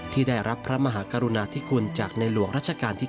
ที่ได้รับพระมหากรุณาธิคุณจากในหลวงรัชกาลที่๙